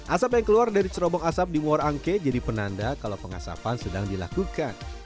asap yang keluar dari cerobong asap di muara angke jadi penanda kalau pengasapan sedang dilakukan